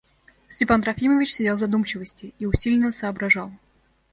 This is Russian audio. Степан Трофимович сидел в задумчивости и усиленно соображал.